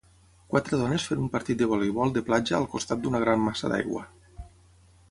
Quatre dones fent un partit de voleibol de platja al costat d'una gran massa d'aigua.